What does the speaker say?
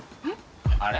あれ？